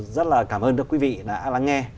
rất là cảm ơn quý vị đã lắng nghe